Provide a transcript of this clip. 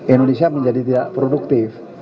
indonesia menjadi tidak produktif